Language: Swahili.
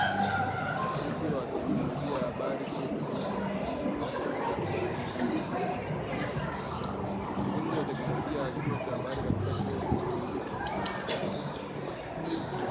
Mwanafunzi wa Teknolojia ya Habari katika Chuo cha Ufundi cha Baringo